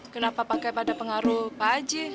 kenapa pakai pada pengaruh pak haji